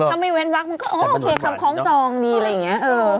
ถ้าไม่เว้นวักมันก็โอเคคำคล้องจองดีอะไรอย่างนี้